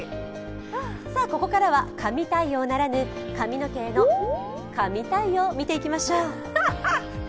ここからは神対応ならぬ、髪対応、見ていきましょう。